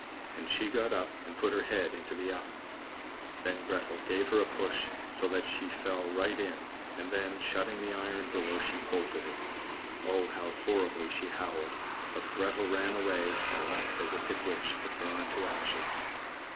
And she got up, and put her head into the oven. Then Gretel gave her a push, so that she fell right in, and then, shutting the iron door, she bolted it. Oh! how horribly she howled; but Gretel ran away, and left the wicked witch to burn to ashes.